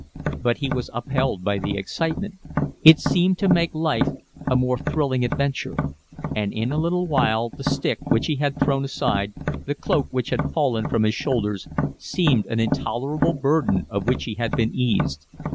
But he was upheld by the excitement; it seemed to make life a more thrilling adventure; and in a little while the stick which he had thrown aside, the cloak which had fallen from his shoulders, seemed an intolerable burden of which he had been eased.